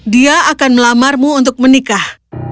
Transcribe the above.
dia akan melamarmu untuk menikah